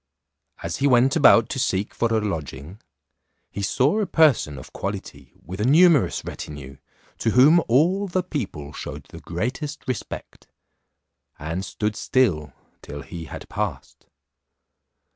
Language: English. As he went about to seek for a lodging, he saw a person of quality with a numerous retinue, to whom all the people shewed the greatest respect, and stood still till he had passed.